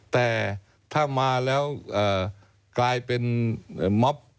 แต่ถ้ามาแล้วกลายเป็นม็อบ